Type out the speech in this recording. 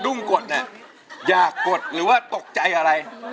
เพลงนี้อยู่ในอาราบัมชุดแรกของคุณแจ็คเลยนะครับ